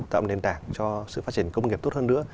tạo nền tảng cho sự phát triển công nghiệp tốt hơn nữa